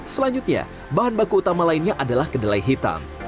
selanjutnya bahan baku utama lainnya adalah kedelai hitam